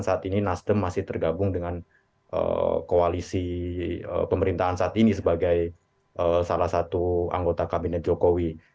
saat ini nasdem masih tergabung dengan koalisi pemerintahan saat ini sebagai salah satu anggota kabinet jokowi